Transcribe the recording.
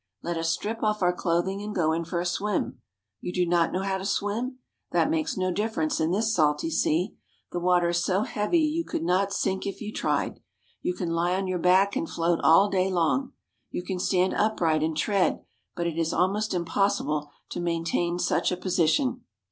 Let us strip off our clothing and go in for a swim. You do not know how to swim? That makes no difference in this salty sea. The water is so heavy you could not sink if you tried. You can lie on your back and float all day long. You can stand upright and tread, but it is almost impossible to maintain such a position.